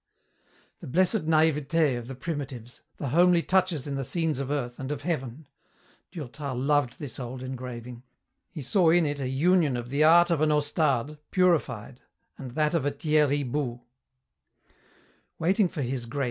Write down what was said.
The blessed naïveté of the Primitives, the homely touches in the scenes of earth and of heaven! Durtal loved this old engraving. He saw in it a union of the art of an Ostade purified and that of a Thierry Bouts.